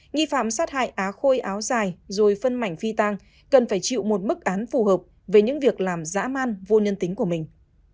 nghi phạm sát hại á khôi áo dài rồi phân mảnh phi tang cần phải chịu một mức án phù hợp về những việc làm dã man vô nhân tính của mình